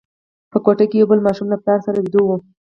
په کوټه کې یو بل ماشوم له پلار سره ویده وو.